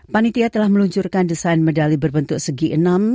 panitia telah meluncurkan desain medali berbentuk segi enam